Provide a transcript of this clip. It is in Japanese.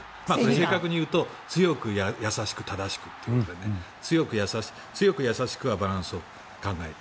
正確に言うと強く優しく正しくというので強く優しくはバランスを考えて。